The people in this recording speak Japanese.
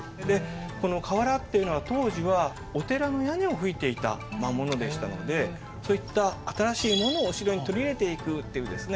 この瓦っていうのは当時はお寺の屋根をふいていたものでしたのでそういった新しいものをお城に取り入れていくっていうですね